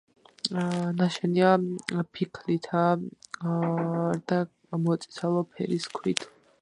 ნაშენია ფიქლითაა და მოწითალო ფერის ქვით.